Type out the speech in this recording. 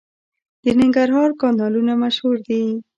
د ننګرهار کانالونه مشهور دي.